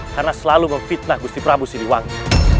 karena selalu memfitnah gusti prabu siliwangi